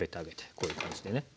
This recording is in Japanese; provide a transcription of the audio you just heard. こういう感じでね。